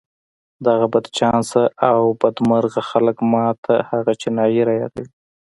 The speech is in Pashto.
دغه بدچانسه او بدمرغه خلک ما ته هغه چينايي را يادوي.